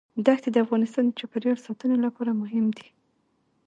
دښتې د افغانستان د چاپیریال ساتنې لپاره مهم دي.